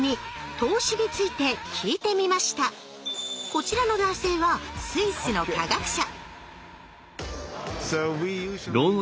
こちらの男性はスイスの科学者